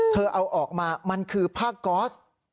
เธอเอาออกมามันคือผ้าก๊อส